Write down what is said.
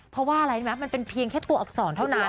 เพราะว่าอะไรรู้ไหมมันเป็นเพียงแค่ตัวอักษรเท่านั้น